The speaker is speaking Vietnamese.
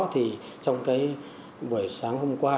trong buổi sáng hôm qua